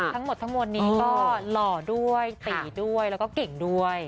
ทั้งหมดทั้งมวลนี้ก็หล่อด้วยตีด้วยแล้วก็เก่งด้วย